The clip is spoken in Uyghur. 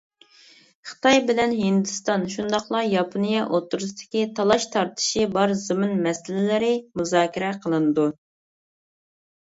خىتاي بىلەن ھىندىستان شۇنداقلا ياپونىيە ئوتتۇرىسىدىكى تالاش- تارتىشى بار زېمىن مەسىلىلىرى مۇزاكىرە قىلىنىدۇ.